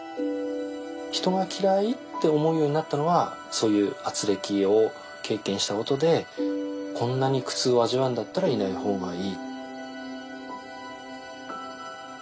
人が嫌いって思うようになったのはそういうあつれきを経験したことでこんなに苦痛を味わうんだったらいない方がいい。